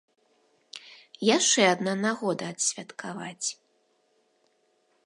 Яшчэ адна нагода адсвяткаваць.